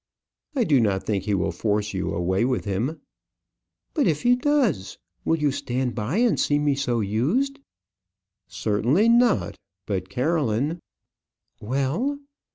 "I do not think he will force you away with him." "But if he does? Will you stand by and see me so used?" "Certainly not; but, Caroline " "Well."